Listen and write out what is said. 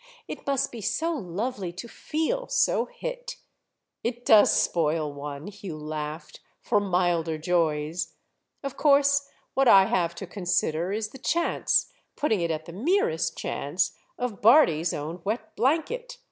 "It must be so lovely to feel so hit!" "It does spoil one," Hugh laughed, "for milder joys. Of course what I have to consider is the chance—putting it at the merest chance—of Bardi's own wet blanket!